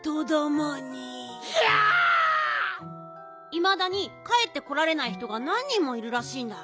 いまだにかえってこられない人がなん人もいるらしいんだ。